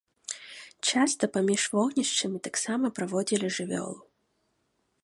Часта паміж вогнішчамі таксама праводзілі жывёлу.